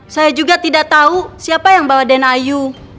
saya juga tidak tahu siapa yang bawa den ayu